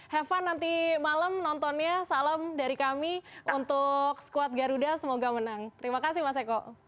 heavan nanti malam nontonnya salam dari kami untuk skuad garuda semoga menang terima kasih mas eko